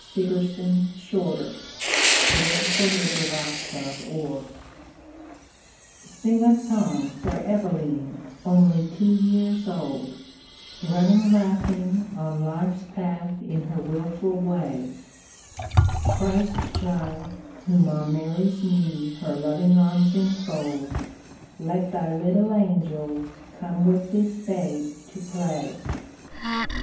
THE SAD YEARS A SONG FOR EVALEEN SING a song for Evaleen, only two years old, Running laughing on life's path in her wilful way; Christ Child, Whom on Mary's knee her loving arms enfold. Let Thy little angels come with this babe to play.